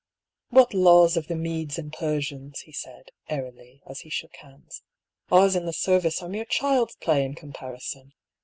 " What laws of the Medes and Persians 1 " he said, airily, as he shook hands. " Ours in the service are mere child's play in comparison